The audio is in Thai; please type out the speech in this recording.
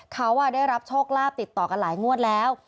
เขาได้รับโชคลาภติดต่อกันหลายงวดแล้ว